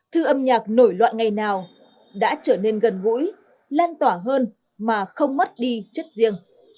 thư âm nhạc nổi loạn ngày nào đã trở nên gần gũi lan tỏa hơn mà không mất đi chất riêng